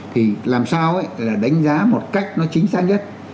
thì làm sao ấy là đánh giá một cách nó chính xác nhất